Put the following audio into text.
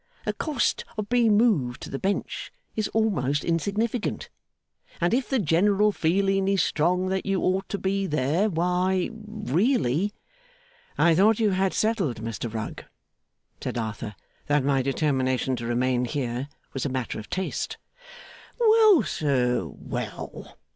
The cost of being moved to the Bench is almost insignificant, and if the general feeling is strong that you ought to be there, why really ' 'I thought you had settled, Mr Rugg,' said Arthur, 'that my determination to remain here was a matter of taste.' 'Well, sir, well!